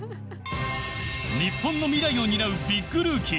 日本の未来を担うビッグルーキー。